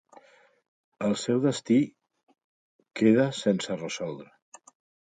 El seu destí queda sense resoldre.